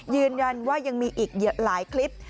ยืนยันว่ายังมีอีกหลายคลิป